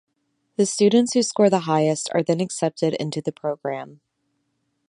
The students who score the highest are then accepted into the program.